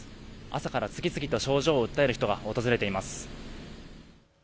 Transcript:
朝から次々と症状を訴える人が訪れています。